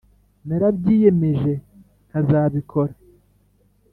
narabyiyemeje, nkazabikora.